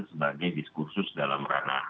sebagai diskursus dalam ranah